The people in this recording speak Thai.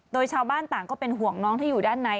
โดยชาวบ้านต่างก็เป็นห่วงน้องที่อยู่ด้านใน